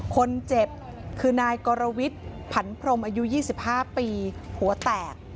คนเจ็บคือนายกรวิทย์ผันพรมอายุ๒๕ปีหัวแตก